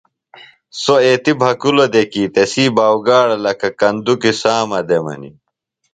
سوۡ ایتیۡ بھکُلوۡ دےۡ کیۡ تسی باؤگاڑہ لکہ کندُکیۡ سامہ دےۡ منیۡ